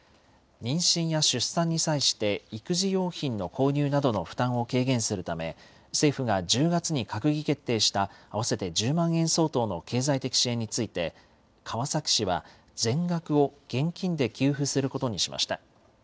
妊娠や出産に際して、育児用品の購入などの負担を軽減するため、政府が１０月に閣議決定した合わせて１０万円相当の経済的支援について、川崎市は、全額を現金で給付することにしました。